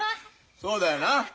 そうだよな！